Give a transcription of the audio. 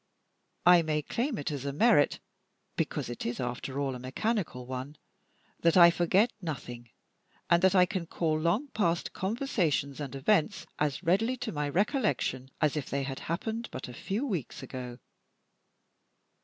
I may claim it as a merit, because it is after all a mechanical one, that I forget nothing, and that I can call long passed conversations and events as readily to my recollection as if they had happened but a few weeks ago.